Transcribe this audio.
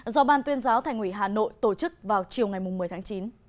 do ban tuyên giáo thành ủy hà nội tổ chức vào chiều ngày một mươi tháng chín